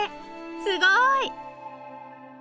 すごい！